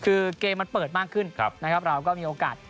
คือเกมเปิดมากขึ้นเราก็มีโอกาส